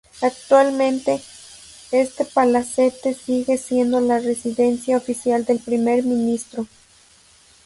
Actualmente, este palacete sigue siendo la residencia oficial del Primer Ministro.